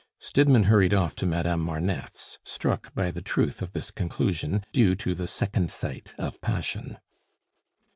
Stidmann hurried off to Madame Marneffe's, struck by the truth of this conclusion, due to the second sight of passion.